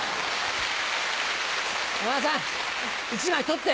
山田さん１枚取って。